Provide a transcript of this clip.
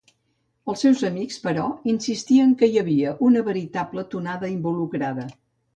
Els seus amics, però, insistien que hi havia una veritable tonada involucrada.